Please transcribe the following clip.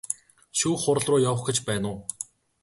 Шүүх хуралруу явах гэж байна уу?